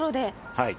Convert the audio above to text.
はい。